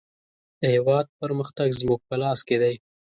د هېواد پرمختګ زموږ په لاس کې دی.